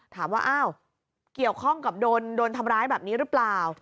ถามว่าอ้าวเกี่ยวข้องกับโดนทำร้ายแบบนี้หรือเปล่า